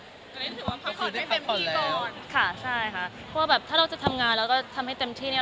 ตอนนี้ถือว่าเป็นพิธีกรค่ะใช่ค่ะเพราะว่าแบบถ้าเราจะทำงานแล้วก็ทำให้เต็มที่เนี่ย